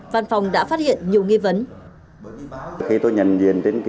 văn phòng đã phát hiện nhiều nghi vấn